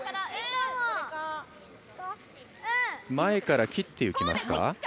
前から切っていきますか？